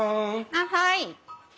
あっはい！